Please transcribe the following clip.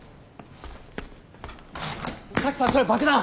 沙樹さんそれ爆弾！